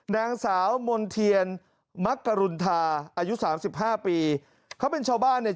นางสาวมนเทียนมักกะรุนทาอายุ๓๕ปีเขาเป็นชาวบ้านเนี่ย